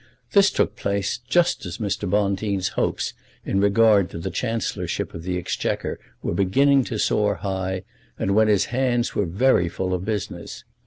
This took place just as Mr. Bonteen's hopes in regard to the Chancellorship of the Exchequer were beginning to soar high, and when his hands were very full of business.